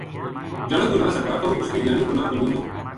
جنا کو ناں سردار تھو اُس کی دھیانی کو ناں پروین تھو